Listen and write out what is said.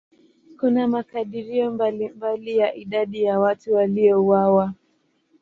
Kuna makadirio mbalimbali ya idadi ya watu waliouawa.